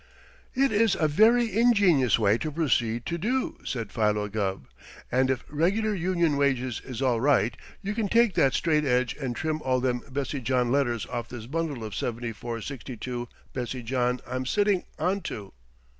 "It is a very ingenious way to proceed to do," said Philo Gubb, "and if regular union wages is all right you can take that straight edge and trim all them Bessie John letters off this bundle of 7462 Bessie John I'm sitting onto."